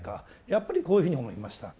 やっぱりこういうふうに思いました。